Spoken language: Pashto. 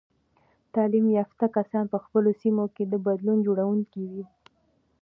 تعلیم یافته کسان په خپلو سیمو کې د بدلون جوړونکي وي.